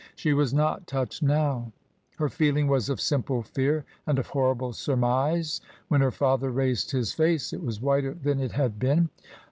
She was not touched now. Her feeling was of simple fear and of horrible surmise. When her father raised his face it was whiter than it had been.